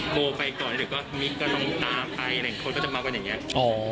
โบไปก่อนหรือมิคก็ต้องตามไปอะไรอย่างนี้เขาก็จะมากันอย่างนี้